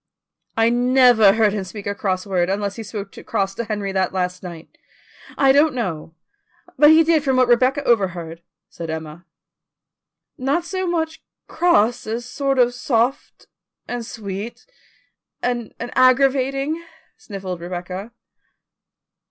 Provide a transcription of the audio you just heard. "I never heard him speak a cross word, unless he spoke cross to Henry that last night. I don't know, but he did from what Rebecca overheard," said Emma. "Not so much cross as sort of soft, and sweet, and aggravating," sniffled Rebecca.